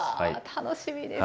楽しみです！